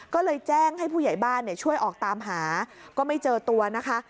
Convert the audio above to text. ก็เลยแจ้งให้ผู้ใหญ่บ้านช่วยออกตามหาก็ไม่เจอตัวนะคะ